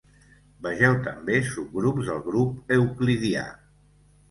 Vegeu també subgrups del grup euclidià.